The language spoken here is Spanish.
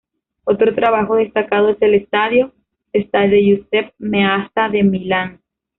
Otro trabajo destacado es el estadio Stadio Giuseppe Meazza de Milán.